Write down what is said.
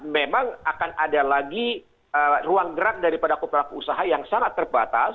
memang akan ada lagi ruang gerak daripada koperasi usaha yang sangat terbatas